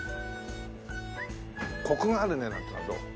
「コクがあるね」なんていうのはどう？